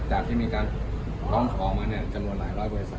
จากที่พอมีการล้องของจะหมดหลายหลายบริษัท